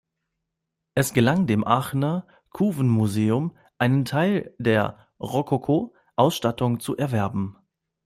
Es gelang dem Aachener Couven-Museum, einen Teil der Rokoko-Ausstattung zu erwerben.